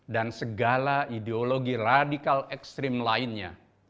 dan segala ideologi radikal ekstrim lainnya